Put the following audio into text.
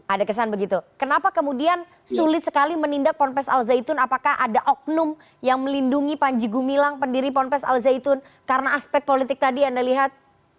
ada kesan begitu kenapa kemudian sulit sekali menindak ponpes al zaitun apakah ada oknum yang melindungi panji gumilang pendiri pondok pesantren al zaitun karena aspek politik tadi anda lihat